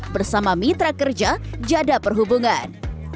bersama mitra kerja jada perhubungan